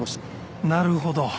なるほど。